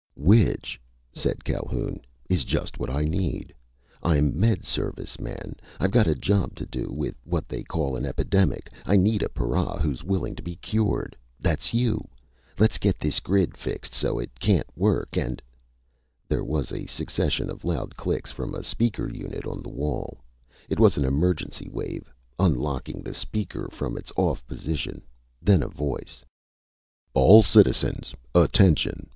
"Which," said Calhoun, "is just what I need. I'm Med Service, man! I've got a job to do with what they call an epidemic! I need a para who's willing to be cured! That's you! Let's get this grid fixed so it can't work and " There was a succession of loud clicks from a speaker unit on the wall. It was an emergency wave, unlocking the speaker from its Off position. Then a voice: "_All citizens attention!